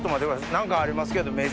何かありますけど名人。